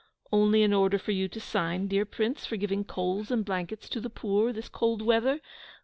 "Only an order for you to sign, dear Prince, for giving coals and blankets to the poor, this cold weather.